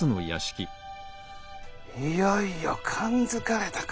いよいよ勘づかれたか。